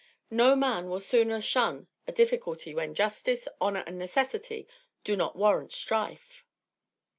No man will sooner shun a difficulty when justice, honor and necessity do not warrant strife.